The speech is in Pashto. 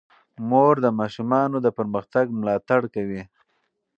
مور د ماشومانو د پرمختګ ملاتړ کوي.